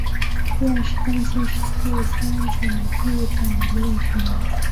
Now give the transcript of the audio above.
殿试登进士第三甲第一百六十名。